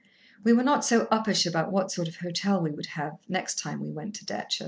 We were not so uppish about what sort of hotel we would have, next time we went to Datchet.